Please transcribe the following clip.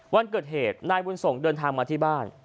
วันเกิดเหตุนายบุญส่งเดินทางมาที่บ้าน